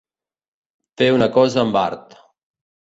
Fer una cosa amb art.